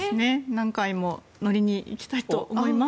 何回も乗りに行きたいと思います。